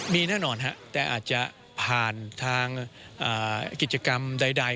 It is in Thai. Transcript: มีแน่นอนแต่อาจจะผ่านทางกิจกรรมใด